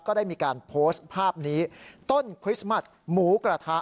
ก็ได้มีการโพสต์ภาพนี้ต้นคริสต์มัสหมูกระทะ